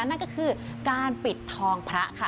นั่นก็คือการปิดทองพระค่ะ